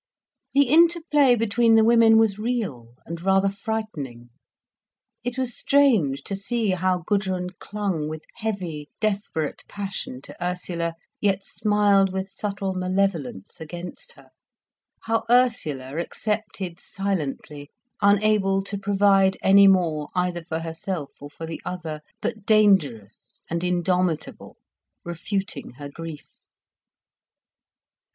The interplay between the women was real and rather frightening. It was strange to see how Gudrun clung with heavy, desperate passion to Ursula, yet smiled with subtle malevolence against her, how Ursula accepted silently, unable to provide any more either for herself or for the other, but dangerous and indomitable, refuting her grief.